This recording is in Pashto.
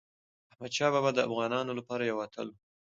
احمدشاه بابا د افغانانو لپاره یو اتل و.